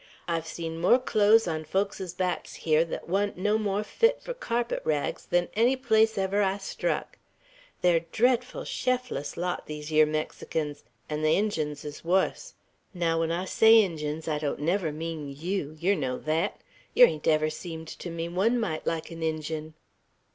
I've seen more cloes on folks' backs hyar, thet wan't no more'n fit for carpet rags, than any place ever I struck. They're drefful sheftless lot, these yere Mexicans; 'n' the Injuns is wuss. Naow when I say Injuns, I don't never mean yeow, yer know thet. Yer ain't ever seemed to me one mite like an Injun."